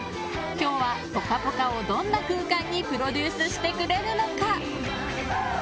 今日は「ぽかぽか」をどんな空間にプロデュースしてくれるのか！